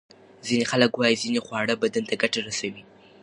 ځینې خلک وايي ځینې خواړه بدن ته ګټه رسوي.